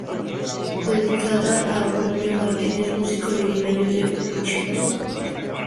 Dedicada a Abundio Martínez músico originario de Huichapan.